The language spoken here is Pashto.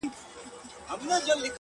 • دلته هلته به هوسۍ وې څرېدلې -